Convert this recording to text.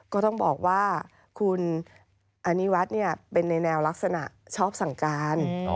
ก็ต้องบอกว่าคุณอนิวัฒน์เป็นในแนวลักษณะชอบสั่งการ